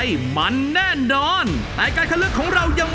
ช่วยฝังดินหรือกว่า